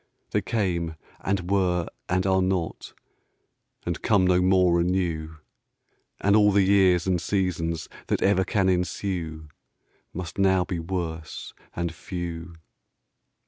They came and were and are not And come no more anew; And all the years and seasons That ever can ensue Must now be worse and few.